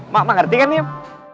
mak ngerti kan im